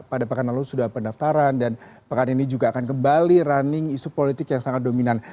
pada pekan lalu sudah pendaftaran dan pekan ini juga akan kembali running isu politik yang sangat dominan